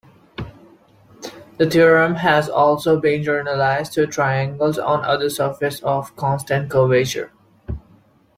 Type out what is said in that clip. The theorem has also been generalized to triangles on other surfaces of constant curvature.